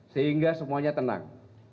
sehingga semuanya tenang